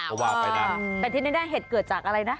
เพราะว่าไปนะเป็นที่ได้เหตุเกิดจากอะไรนะ